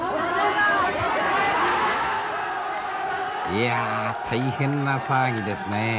いや大変な騒ぎですね。